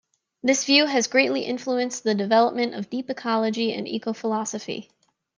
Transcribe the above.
This view has greatly influenced the development of deep ecology and ecophilosophy.